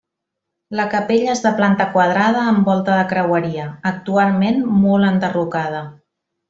La capella és de planta quadrada amb volta de creueria, actualment molt enderrocada.